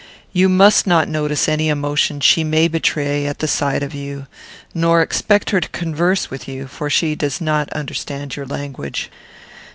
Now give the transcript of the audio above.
You must not notice any emotion she may betray at the sight of you, nor expect her to converse with you; for she does not understand your language."